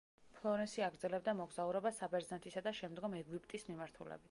ფლორენსი აგრძელებდა მოგზაურობას საბერძნეთისა და შემდგომ ეგვიპტის მიმართულებით.